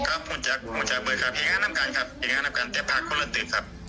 ครับหุ้นจักรเบิร์ดครับอย่างงานนำการครับอย่างงานนำการเตรียมภาคคนละตืดครับ